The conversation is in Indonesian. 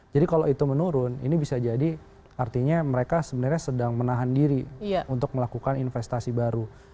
jadi kalau itu menurun ini bisa jadi artinya mereka sebenarnya sedang menahan diri untuk melakukan investasi baru